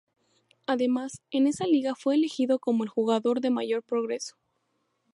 Además, en esa liga fue elegido como el Jugador de Mayor Progreso.